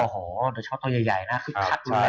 โอ้โหชอบตัวใหญ่นะคึกคัดมาก